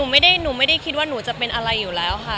ความสัมพันธ์หนูไม่ได้คิดว่าหนูจะเป็นอะไรอยู่แล้วค่ะ